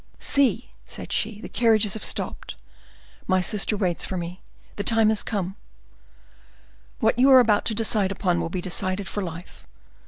"See," said she, "the carriages have stopped, my sister waits for me, the time is come; what you are about to decide upon will be decided for life.